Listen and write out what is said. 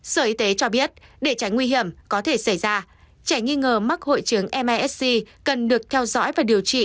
sở y tế cho biết để tránh nguy hiểm có thể xảy ra trẻ nghi ngờ mắc hội chứng msc cần được theo dõi và điều trị